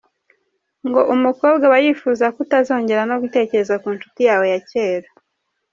Ngo umukobwa aba yifuza ko utazongera no gutekereza ku ncuti yawe ya kera.